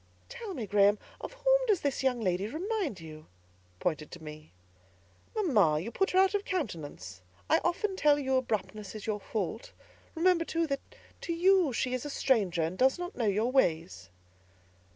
"Tell me, Graham, of whom does that young lady remind you?" pointing to me. "Mamma, you put her out of countenance. I often tell you abruptness is your fault; remember, too, that to you she is a stranger, and does not know your ways."